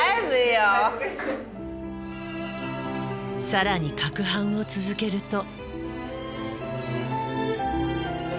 更にかくはんを続けると。